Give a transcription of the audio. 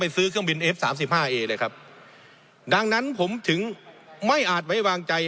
ซื้อเครื่องบินเอฟสามสิบห้าเอเลยครับดังนั้นผมถึงไม่อาจไว้วางใจ